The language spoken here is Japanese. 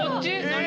何？